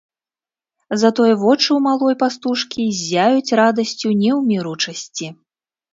Затое вочы ў малой пастушкі ззяюць радасцю неўміручасці.